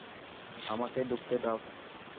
আমাকে ঢুকতে দাও!